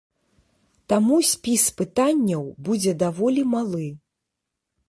Таму спіс пытанняў будзе даволі малы.